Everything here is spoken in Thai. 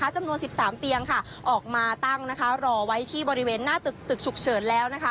จำนวน๑๓เตียงออกมาตั้งรอไว้ที่บริเวณหน้าตึกฉุกเฉินแล้ว